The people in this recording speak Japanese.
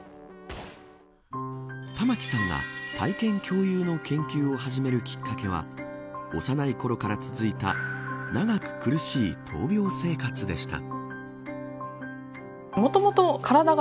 玉城さんが体験共有の研究を始めるきっかけは幼いころから続いた長く苦しい闘病生活でした。